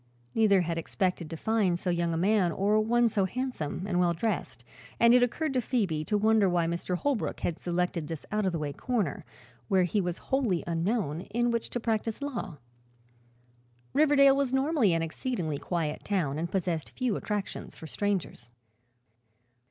Neither had expected to find so young a man or one so handsome and well dressed and it occurred to Phoebe to wonder why Mr. Holbrook had selected this out of the way corner, where he was wholly unknown, in which to practice law. Riverdale was normally an exceedingly quiet town and possessed few attractions for strangers.